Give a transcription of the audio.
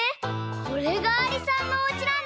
これがありさんのおうちなんだ。